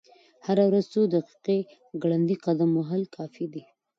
هره ورځ څو دقیقې ګړندی قدم وهل کافي دي.